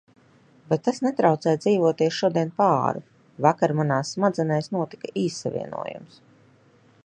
Bet tas netraucē dzīvoties šodien pa āru. Vakar manās smadzenēs notika īssavienojums.